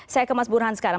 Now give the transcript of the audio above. saya ke mas burhan sekarang